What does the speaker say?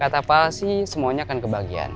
kata palsy semuanya akan kebahagian